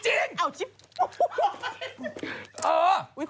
ชิบ